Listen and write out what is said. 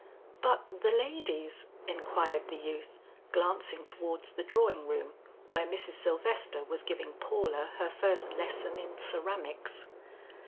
"But the ladies," inquired the youth glancing towards the drawing room where Mrs. Sylvester was giving Paula her first lesson in ceramics.